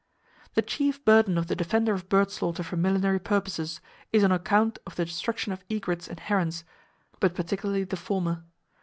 The chief burden of the defender of bird slaughter for millinery purposes is on account of the destruction of egrets and herons, but particularly the former.